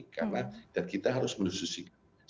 karena kita harus mendususikan